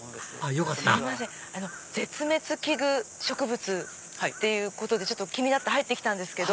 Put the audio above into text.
よかった絶滅危惧植物っていうことで気になって入ってきたんですけど。